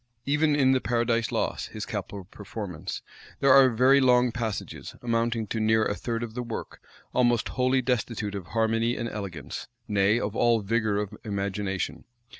Even in the Paradise Lost, his capital performance, there are very long passages, amounting to near a third of the work, almost wholly destitute of harmony and elegance, nay, of all vigor of imagination.